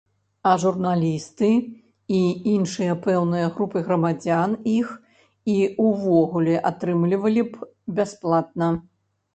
А журналісты і іншыя пэўныя групы грамадзян іх і ўвогуле атрымлівалі б бясплатна.